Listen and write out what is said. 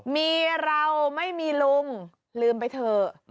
มีเราไม่มีลุงลืมไปเถอะ